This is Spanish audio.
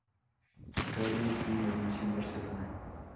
Carme Pinós nació en Barcelona.